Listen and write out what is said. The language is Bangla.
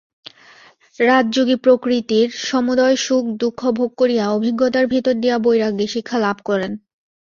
রাজযোগী প্রকৃতির সমুদয় সুখদুঃখ ভোগ করিয়া অভিজ্ঞতার ভিতর দিয়া বৈরাগ্যের শিক্ষা লাভ করেন।